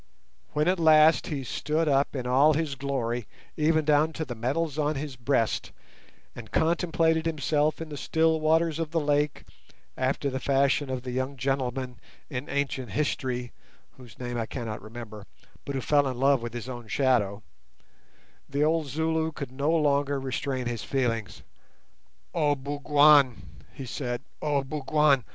When at last he stood up in all his glory, even down to the medals on his breast, and contemplated himself in the still waters of the lake, after the fashion of the young gentleman in ancient history, whose name I cannot remember, but who fell in love with his own shadow, the old Zulu could no longer restrain his feelings. "Oh, Bougwan!" he said. "Oh, Bougwan!